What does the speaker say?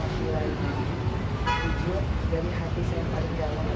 tujuh dari hati saya tadi yang menerima